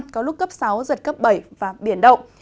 có lúc cấp sáu giật cấp bảy và biển động